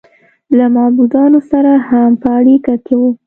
له معبودانو سره هم په اړیکه کې و